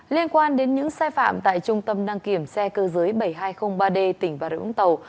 liên quan đến những sai phạm tại trung tâm năng kiểm xe cơ giới bảy nghìn hai trăm linh ba d tỉnh và rượu ống tàu